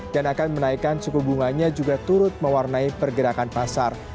dan akan menaikkan suku bunganya juga turut mewarnai pergerakan pasar